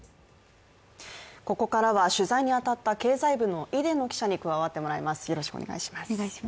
ここからは取材に当たった経済部の出野記者に加わってもらいます。